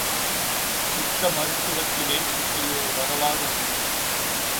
சித்த மருத்துவத்திலே இப்படி ஒரு வரலாறு உண்டு.